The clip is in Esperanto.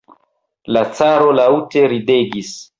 La caro laŭte ridegis.